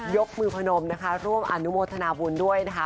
ยกมือพนมนะคะร่วมอนุโมทนาบุญด้วยนะคะ